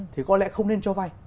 thì có lẽ không nên cho vay